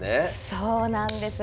そうなんです。